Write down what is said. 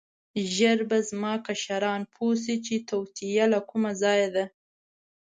ژر به زما کشران پوه شي چې توطیه له کوم ځایه ده.